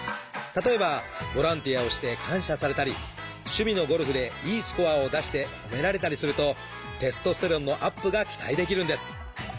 例えばボランティアをして感謝されたり趣味のゴルフでいいスコアを出して褒められたりするとテストステロンのアップが期待できるんです。